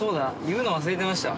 言うの忘れてました